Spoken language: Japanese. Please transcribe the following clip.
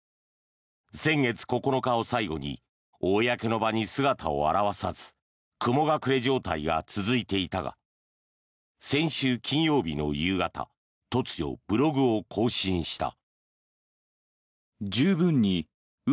先月９日を最後に公の場に姿を現さず雲隠れ状態が続いていたが先週金曜日の夕方突如、ブログを更新した。